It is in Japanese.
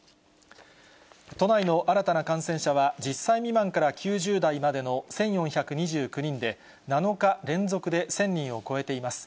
都内の新たな感染者は、１０歳未満から９０代までの１４２９人で、７日連続で１０００人を超えています。